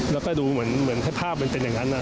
แล้วก็ดูเหมือนถ้าภาพมันเป็นอย่างนั้น